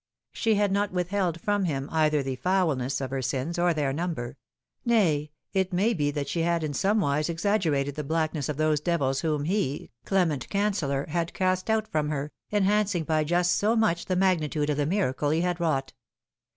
She had not withheld from him either the foulness of her sins or their number nay, it may be that she had in somewise exaggerated the blackness of those devils whom he, Clement Cancellor, had cast out from her, enhancing by just so much the magnitude of the miracle he had wrought.